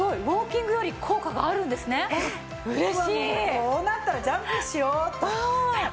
こうなったらジャンプしようっと！